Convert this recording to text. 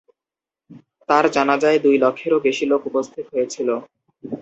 তাঁর জানাজায় দুই লক্ষেরও বেশি লোক উপস্থিত হয়েছিল।